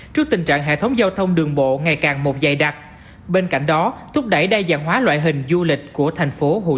trước tình trạng hệ thống của người dân